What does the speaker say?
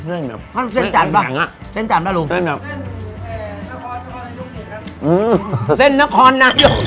เส้นเนี้ยเส้นจานปะอ่ะเส้นจานปะลุงอืมเส้นนครนัก